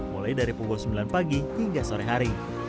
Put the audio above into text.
mulai dari pukul sembilan pagi hingga sore hari